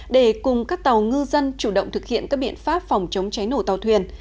để cùng các tàu ngư dân chủ động thực hiện các biện pháp phòng chống cháy nổ tàu thuyền